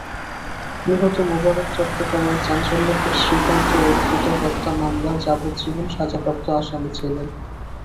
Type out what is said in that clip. নিহত মোবারক চট্টগ্রামের চাঞ্চল্যকর শ্রীকান্ত রক্ষিত হত্যা মামলার যাবজ্জীবন সাজাপ্রাপ্ত আসামি ছিলেন।